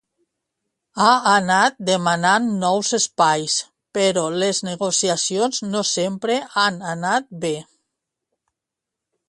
Ha anat demanant nous espais, però les negociacions no sempre han anat bé.